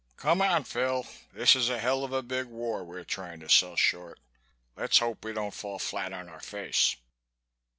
Come on, Phil, this is a hell of a big war we're trying to sell short. Let's hope we don't fall flat on our face."